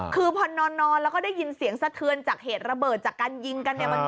คือพอนอนแล้วก็ได้ยินเสียงสะเทือนจากเหตุระเบิดจากการยิงกันเนี่ย